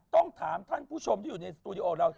ต้องถามท่านผู้ชมที่อยู่ในสตูดิโอเรา